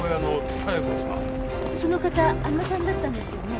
その方海女さんだったんですよね？